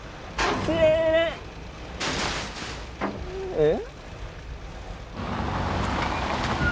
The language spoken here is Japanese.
えっ？